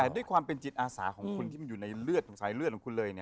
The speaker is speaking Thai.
ด้วยความเป็นจิตอาสาของคุณที่อยู่ในเลือดของคุณเลย